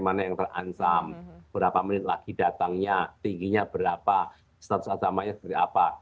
bagaimana yang teransam berapa menit lagi datangnya tingginya berapa status asamanya seperti apa